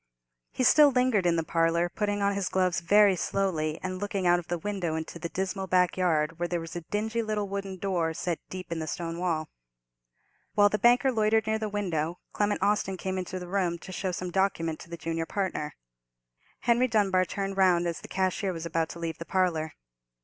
He still lingered in the parlour, putting on his gloves very slowly, and looking out of the window into the dismal backyard, where there was a dingy little wooden door set deep in the stone wall. While the banker loitered near the window, Clement Austin came into the room, to show some document to the junior partner. Henry Dunbar turned round as the cashier was about to leave the parlour.